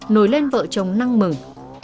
nổi lên vợ chồng năng mừng